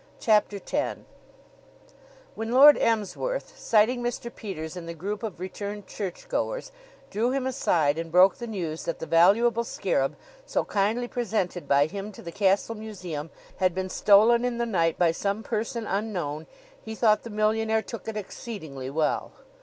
CHAPTER X When Lord Emsworth, sighting Mr. Peters in the group of returned churchgoers, drew him aside and broke the news that the valuable scarab, so kindly presented by him to the castle museum, had been stolen in the night by some person unknown, he thought the millionaire took it exceedingly well.